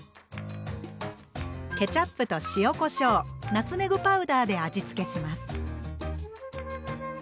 ケチャップと塩こしょうナツメグパウダーで味付けします。